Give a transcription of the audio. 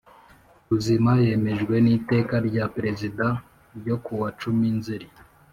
Buzima yemejwe n Iteka rya Perezida n ryo kuwa cumi nzeri